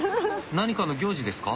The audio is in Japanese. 何かの行事ですか？